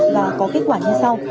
và có kết quả như sau